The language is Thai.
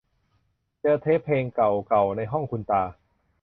เจอเทปเพลงเก่าเก่าในห้องคุณตา